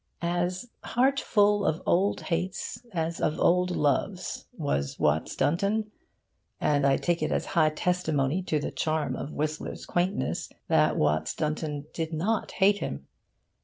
As heart full of old hates as of old loves was Watts Dunton, and I take it as high testimony to the charm of Whistler's quaintness that Watts Dunton did not hate him.